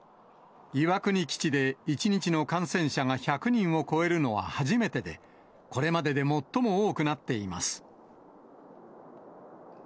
岩国基地で１日の感染者が１００人を超えるのは初めてで、これまでで最も多くなっています。